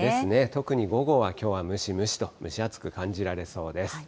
特に午後は、きょうはムシムシと、蒸し暑く感じられそうです。